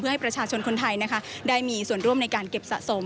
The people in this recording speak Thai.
ให้ประชาชนคนไทยนะคะได้มีส่วนร่วมในการเก็บสะสม